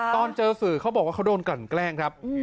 ตอนเจอสื่อเขาบอกว่าเขาโดนกลั่นแกล้งครับ